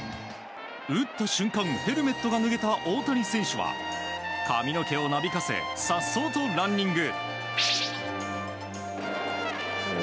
打った瞬間、ヘルメットが脱げた大谷選手は髪の毛をなびかせ颯爽とランニング。